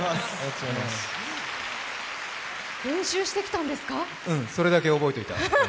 うん、それだけ覚えといた。